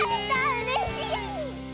うれしい！